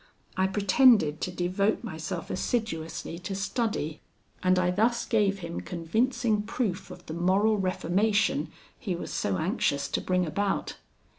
I pretended to devote myself assiduously to study, and I thus gave him convincing proof of the moral reformation he was so anxious to bring about.